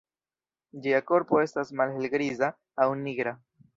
Ĝia korpo estas malhelgriza aŭ nigra.